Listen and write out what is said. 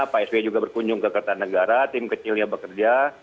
pak sby juga berkunjung ke kertanegara tim kecilnya bekerja